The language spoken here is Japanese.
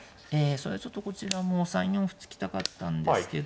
それでちょっとこちらも３四歩突きたかったんですけど。